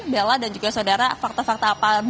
bella dan juga saudara fakta fakta apa